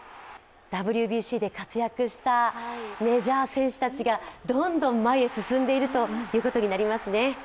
ＷＢＣで活躍したメジャー選手たちがどんどん前へ進んでいるということになりますね。